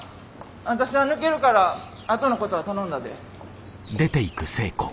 私は抜けるから後のことは頼んだで。